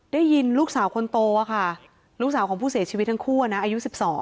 ได้ยินลูกสาวคนโตค่ะลูกสาวของผู้เสียชีวิตทั้งคู่นะอายุ๑๒